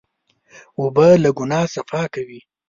اوبه له ګناه صفا کوي.